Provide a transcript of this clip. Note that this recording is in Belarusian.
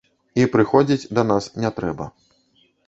І прыходзіць да нас не трэба.